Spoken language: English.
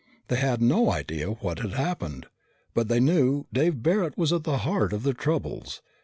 They had no idea what had happened. But they knew Dave Barret was at the heart of their troubles.